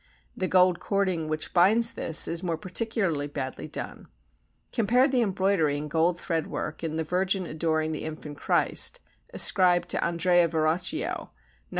The gold cording which binds this is more particularly badly done. Compare the embroidery and gold thread work in "The Virgin adoring the Infant Christ," ascribed to Andrea Verrocchio, No.